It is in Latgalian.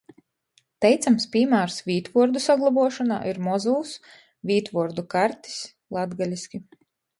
Teicams pīmārs vītvuordu saglobuošonā ir mozūs vītvuordu kartis latgaliski.